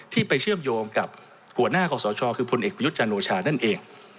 ไปเชื่อมโยงกับหัวหน้าขอสชคือพลเอกประยุทธ์จันโอชานั่นเอง